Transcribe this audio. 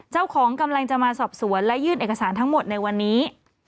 กำลังจะมาสอบสวนและยื่นเอกสารทั้งหมดในวันนี้